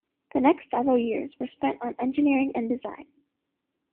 The next several years were spent on engineering and design.